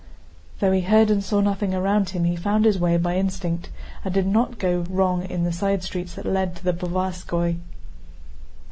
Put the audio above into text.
Though he heard and saw nothing around him he found his way by instinct and did not go wrong in the side streets that led to the Povarskóy.